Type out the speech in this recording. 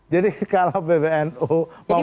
jadi kalau pbnu mau mendaftarkan